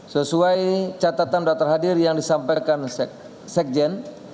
sesuai catatan daftar hadir yang disampaikan sekjen